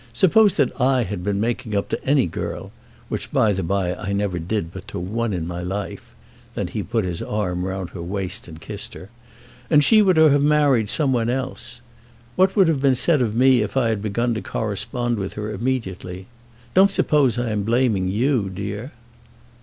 Suppose that I had been making up to any girl, which by the by I never did but to one in my life," then he put his arm round her waist and kissed her, "and she were to have married some one else. What would have been said of me if I had begun to correspond with her immediately? Don't suppose I am blaming you, dear."